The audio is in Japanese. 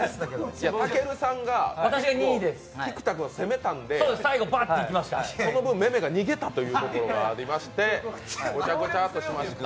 たけるさんが、菊田君が攻めたんで、その分、めめが逃げたというところがありましてごちゃごちゃーっとしました。